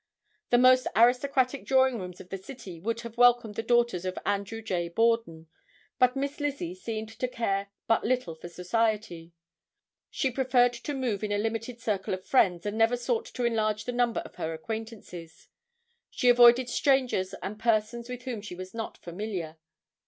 The most aristocratic drawing rooms of the city would have welcomed the daughters of Andrew J. Borden. But Miss Lizzie seemed to care but little for society. She preferred to move in a limited circle of friends and never sought to enlarge the number of her acquaintances. She avoided strangers and persons with whom she was not familiar.